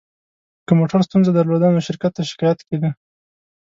که موټر ستونزه درلوده، نو شرکت ته شکایت کېده.